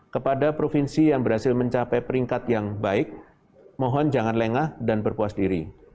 kepada provinsi yang berhasil mencapai peringkat yang baik mohon jangan lengah dan berpuas diri